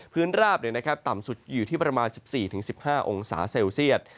ราบต่ำสุดอยู่ที่ประมาณ๑๔๑๕องศาเซลเซียต